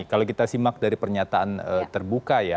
kalau kita simak dari pernyataan terbuka ya